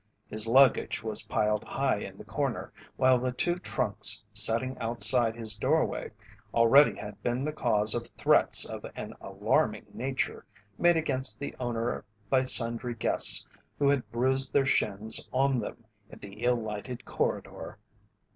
His luggage was piled high in the corner, while the two trunks setting outside his doorway already had been the cause of threats of an alarming nature, made against the owner by sundry guests who had bruised their shins on them in the ill lighted corridor.